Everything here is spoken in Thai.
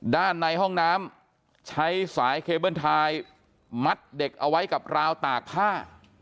ด้านในห้องน้ำใช้สายเคเบิ้ลทายมัดเด็กเอาไว้กับราวตากผ้า